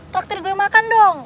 takdir gue makan dong